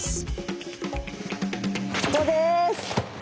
ここです。